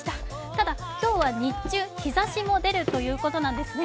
ただ今日は日中、日ざしも出るということなんですね。